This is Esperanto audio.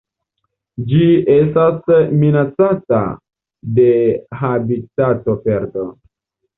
Ĝi estas minacata de habitatoperdo.